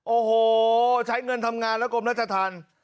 โอ้โหใช้เงินทำงานแล้วกรมราชธรรม